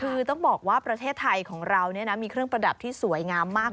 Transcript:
คือต้องบอกว่าประเทศไทยของเรามีเครื่องประดับที่สวยงามมาก